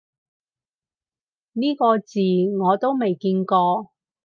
呢個字我都未見過